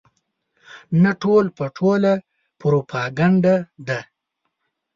نه ټول په ټوله پروپاګنډه ده.